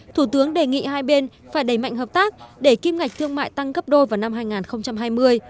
thủ tướng đề nghị hai bên phải đẩy mạnh hợp tác để kim ngạch thương mại tăng gấp đôi vào năm hai nghìn hai mươi